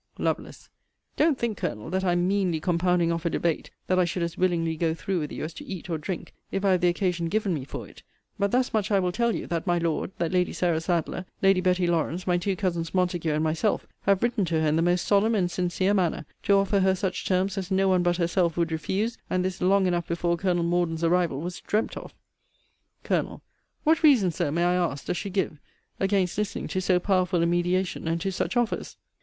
Lovel. Don't think, Colonel, that I am meanly compounding off a debate, that I should as willingly go through with you as to eat or drink, if I have the occasion given me for it: but thus much I will tell you, that my Lord, that Lady Sarah Sadleir, Lady Betty Lawrance, my two cousins Montague, and myself, have written to her in the most solemn and sincere manner, to offer her such terms as no one but herself would refuse, and this long enough before Colonel Morden's arrival was dreamt of. Col. What reason, Sir, may I ask, does she give, against listening to so powerful a mediation, and to such offers?